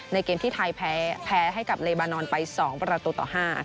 เกมที่ไทยแพ้ให้กับเลบานอนไป๒ประตูต่อ๕